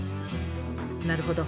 なるほど。